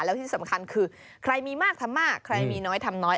แล้วที่สำคัญคือใครมีมากทำมากใครมีน้อยทำน้อย